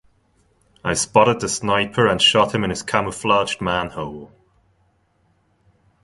I spotted the sniper and shot him in his camouflaged manhole.